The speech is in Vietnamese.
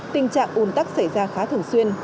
tình trạng ồn tắc xảy ra khá thường xuyên